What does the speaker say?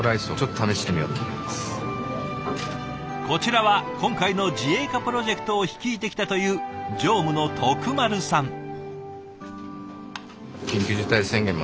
こちらは今回の自営化プロジェクトを率いてきたという常務の徳丸さん。